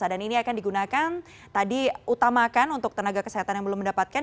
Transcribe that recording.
dan ini akan digunakan tadi utamakan untuk tenaga kesehatan yang belum mendapatkan